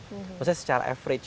maksudnya secara average ya